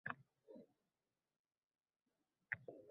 Kimlarga ishonib jadal etdim men?!